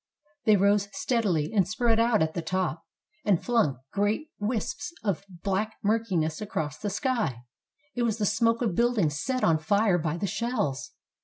They rose steadily and spread out at the top, and flung great wisps of black murkiness across the sky. It was the smoke of buildings set on fire by the shells.